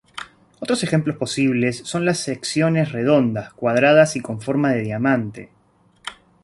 Otros ejemplos posibles son las secciones redondas, cuadradas, y con forma de diamante.